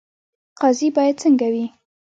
قاضي باید څنګه وي؟